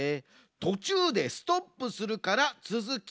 とちゅうでストップするからつづきを歌ってな。